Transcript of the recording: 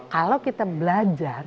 kalau kita belajar